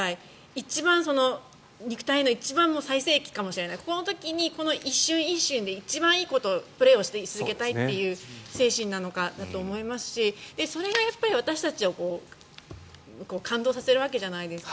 一番、肉体の最盛期かもしれないこの時に一瞬一瞬で一番いいプレーをし続けたいという精神なのかと思いますしそれが私たちを感動させるわけじゃないですか。